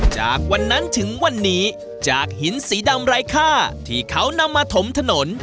จากวันนั้นถึงวันนี้จากหินสีดำไร้ค่าที่เขานำมาถมถนน